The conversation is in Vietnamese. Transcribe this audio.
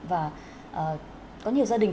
và có nhiều gia đình